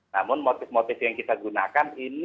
namun motif motif yang kita gunakan ini